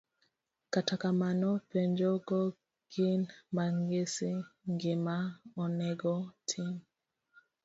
kata kamano, penjo go gin mang'isi gima onego itim.